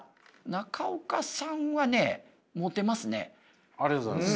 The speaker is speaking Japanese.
中岡さんはねありがとうございます。